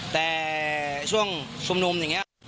แต่ช่วงชุมนุมอย่างนี้